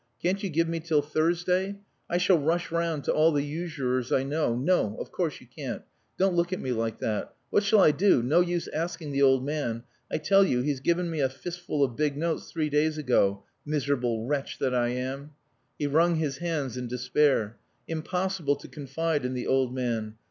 Can't you give me till Thursday? I shall rush round to all the usurers I know.... No, of course, you can't! Don't look at me like that. What shall I do? No use asking the old man. I tell you he's given me a fistful of big notes three days ago. Miserable wretch that I am." He wrung his hands in despair. Impossible to confide in the old man.